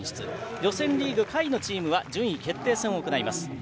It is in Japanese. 予選リーグ下位のチームは順位決定戦を行います。